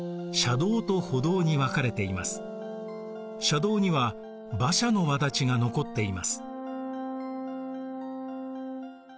車道には馬車の轍が残っています。